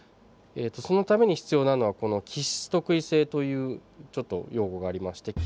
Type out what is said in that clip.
そのために必要なのが基質特異性というちょっと用語がありまして。